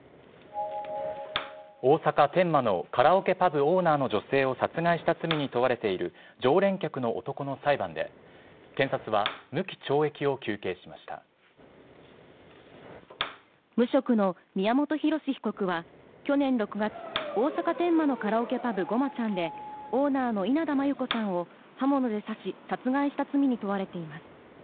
大阪・天満のカラオケパブの女性を殺害した罪に問われている常連客の男の裁判で無職の宮本浩志被告は去年６月、大阪・天満のカラオケパブ・ごまちゃんでオーナーの稲田真優子さんを刃物で刺し殺害した罪に問われています。